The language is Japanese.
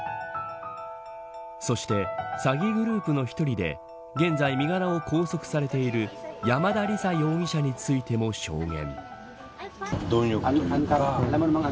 そして詐欺グループの１人で現在身柄を拘束されている山田李沙容疑者についても証言。